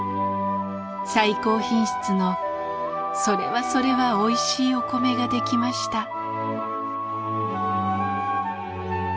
最高品質のそれはそれはおいしいお米が出来ました。